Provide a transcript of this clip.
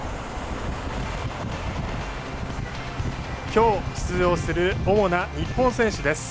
きょう出場する主な日本選手です。